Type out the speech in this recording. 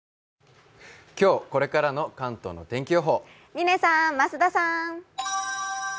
嶺さん、増田さん。